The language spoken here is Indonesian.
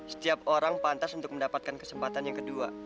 setiap orang pantas untuk mendapatkan kesempatan yang kedua